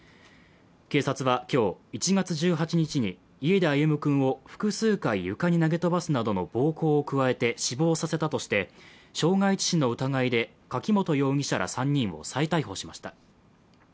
警察は今日、１月１８日に家で歩夢君を複数回床に投げ飛ばすなどの暴行を加えて死亡させたとして傷害致死の疑いで柿本容疑者ら３人を再逮捕しました。